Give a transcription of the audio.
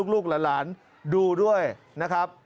ลูกหลานดูด้วยนะครับ